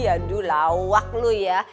aduh lawak lu ya